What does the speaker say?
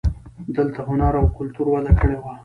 دلته هنر او کلتور وده کړې وه